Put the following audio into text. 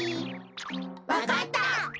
わかった！